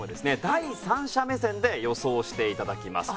第三者目線で予想していただきます。